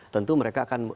tentu mereka akan